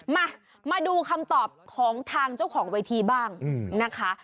มามาดูคำตอบของทางเจ้าของเวทีบ้างนะคะ